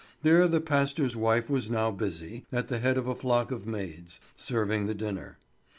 There the pastor's wife was now busy, at the head of a flock of maids, serving the dinner.